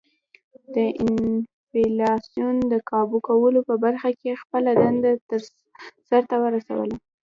د انفلاسیون د کابو کولو په برخه کې خپله دنده سر ته ورسوله.